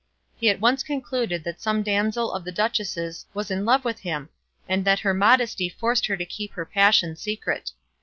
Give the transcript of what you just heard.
He at once concluded that some damsel of the duchess's was in love with him, and that her modesty forced her to keep her passion secret.